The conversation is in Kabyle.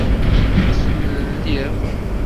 Ur temlelliḍ.